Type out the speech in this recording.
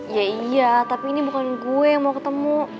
ya iya tapi ini bukan gue yang mau ketemu